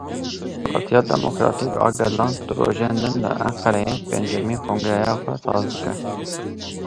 Partiya Demokratîk a Gelan du rojên din li Enqereyê pêncemîn kongreya xwe saz dike.